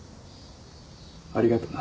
ありがとな。